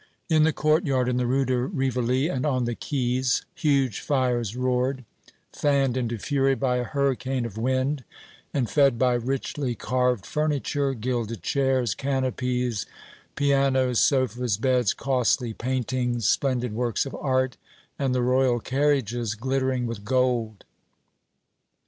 In the courtyard, in the Rue de Rivoli and on the quays, huge fires roared, fanned into fury by a hurricane of wind, and fed by richly carved furniture, gilded chairs, canopies, pianos, sofas, beds, costly paintings, splendid works of art and the Royal carriages glittering with gold.